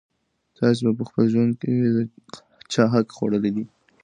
تاسي په خپل ژوند کي د چا حق خوړلی دی؟